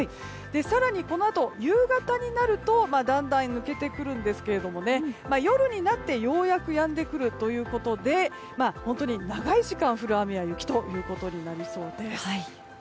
更に、このあと夕方になるとだんだん抜けてくるんですが夜になって、ようやくやんでくるということで長い時間降る雨や雪ということになりそうです。